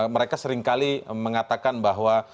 mereka seringkali mengatakan bahwa